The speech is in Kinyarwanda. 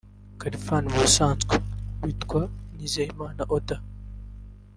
Khalfan ubusanzwe witwa Nizeyimana Odo